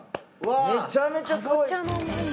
めちゃめちゃかわいい！